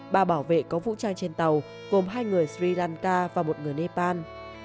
ba bảo vệ có vũ trai trên tàu gồm hai người sri lanka và một người nepal